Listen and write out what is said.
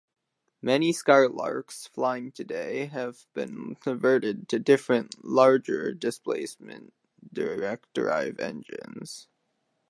Many Skylarks flying today have been converted to different, larger-displacement, direct-drive engines.